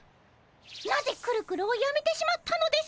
なぜくるくるをやめてしまったのですか？